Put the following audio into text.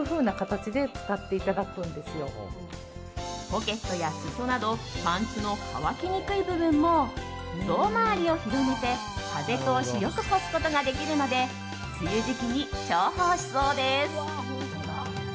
ポケットや裾などパンツの乾きにくい部分も胴回りを広げて風通し良く干すことができるので梅雨時期に重宝しそうです。